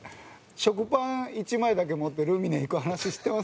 食パン１枚だけ持ってルミネ行く話知ってます？